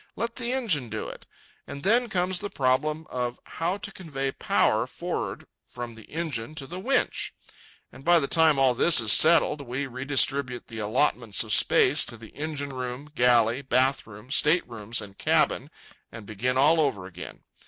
Let the engine do it. And then comes the problem of how to convey power for'ard from the engine to the winch. And by the time all this is settled, we redistribute the allotments of space to the engine room, galley, bath room, state rooms, and cabin, and begin all over again.